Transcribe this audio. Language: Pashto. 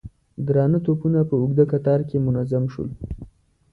درانه توپونه په اوږده کتار کې منظم شول.